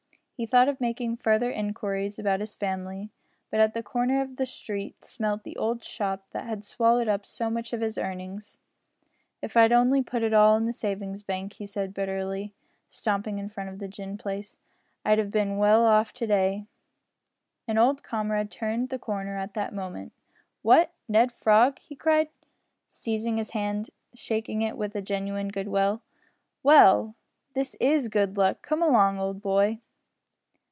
He thought of making further inquiries about his family, but at the corner of the street smelt the old shop that had swallowed up so much of his earnings. "If I'd on'y put it all in the savin's bank," he said bitterly, stopping in front of the gin palace, "I'd 'ave bin well off to day." An old comrade turned the corner at that moment. "What! Ned Frog!" he cried, seizing his hand and shaking it with genuine goodwill. "Well, this is good luck. Come along, old boy!"